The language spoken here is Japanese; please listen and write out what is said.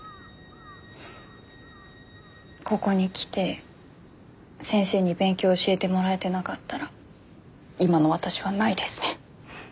ここに来て先生に勉強教えてもらえてなかったら今の私はないですね。